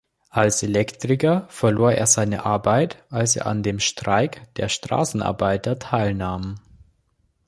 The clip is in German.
Als Elektriker verlor er seine Arbeit, als er an dem Streik der Straßenarbeiter teilnahm.